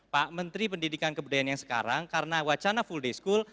pak menteri pendidikan kebudayaan yang sekarang karena wacana full day school